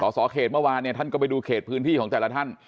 สสเขตเมื่อวานเนี่ยท่านก็ไปดูเขตพื้นที่ของแต่ละท่าน